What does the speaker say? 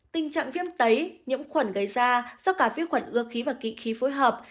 tình trạng viêm tấy nhiễm khuẩn gây ra do cả viêm khuẩn ưa khí và kỹ khí phối hợp